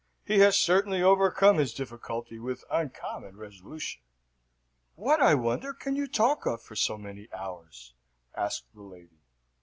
He has certainly overcome his difficulty with uncommon resolution." "What, I wonder, can you talk of for so many hours?" asked the lady.